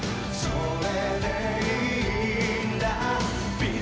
そうだね。